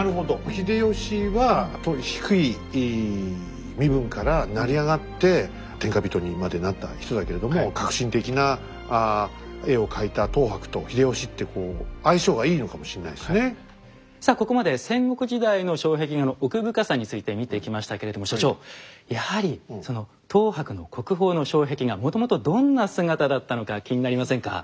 秀吉は当時低い身分から成り上がって天下人にまでなった人だけれどもさあここまで戦国時代の障壁画の奥深さについて見てきましたけれども所長やはりその等伯の国宝の障壁画もともとどんな姿だったのか気になりませんか？